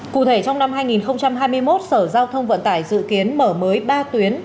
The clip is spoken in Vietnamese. cụ thể trong năm hai nghìn hai mươi một sở giao thông vận tải dự kiến mở mới ba tuyến